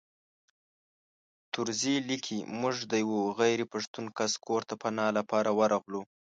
طرزي لیکي موږ د یوه غیر پښتون کس کور ته پناه لپاره ورغلو.